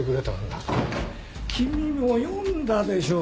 君も読んだでしょ